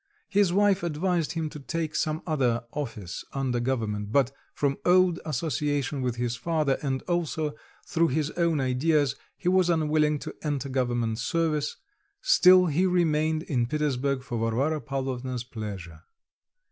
His wife advised him to take some office under government; but from old association with his father, and also through his own ideas, he was unwilling to enter government service, still he remained in Petersburg for Varvara Pavlovna's pleasure.